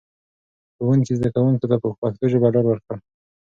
ښوونکي زده کوونکو ته په پښتو ژبه ډاډ ورکړ.